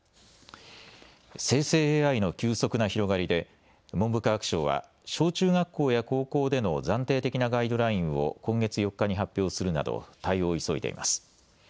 生成ＡＩの急速な広がりで文部科学省は小中学校や高校での暫定的なガイドラインを今月４日に発表するなど対応を急いでいます。